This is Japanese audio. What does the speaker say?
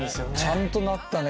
ちゃんとなったね